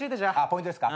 ポイントですか？